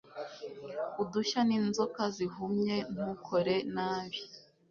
Udushya ninzoka zihumye ntukore nabi